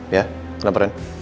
ya kenapa ren